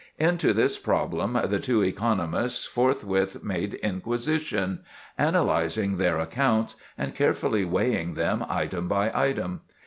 Into this problem the two economists forthwith made inquisition, analyzing their accounts, and carefully weighing them item by item.